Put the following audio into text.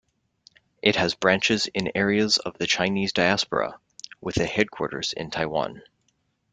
It has branches in areas of the Chinese diaspora, with a headquarters in Taiwan.